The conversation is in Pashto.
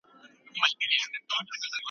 چاپیریال پاک وساتئ.